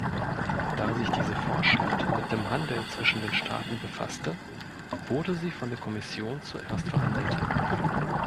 Da sich diese Vorschrift mit dem Handel zwischen den Staaten befasste, wurde sie von der Kommission zuerst verhandelt.